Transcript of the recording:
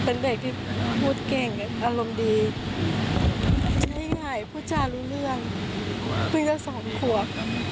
อารมณ์ดีใช้ง่ายผู้ชายรู้เรื่องเพิ่งจะสอนขวบ